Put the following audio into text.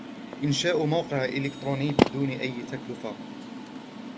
إنشاء موقع إلكتروني بدون أي تكلفة ؟